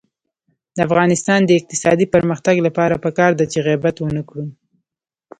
د افغانستان د اقتصادي پرمختګ لپاره پکار ده چې غیبت ونکړو.